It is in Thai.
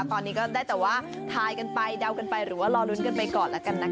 ตอนนี้ก็ได้แต่ว่าทายกันไปเดากันไปหรือว่ารอลุ้นกันไปก่อนแล้วกันนะคะ